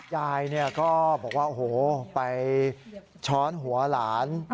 ยายก็บอกว่าโอ้โหไปช้อนหัวหลาน